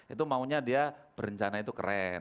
itu maunya dia berencana itu keren